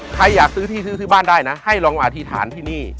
ใครอยากซื้อที่ซื้อซื้อบ้านได้นะให้ลองอธิษฐานที่นี่